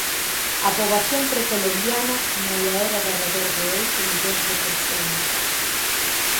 A poboación precolombiana maia era de arredor de oito millóns de persoas.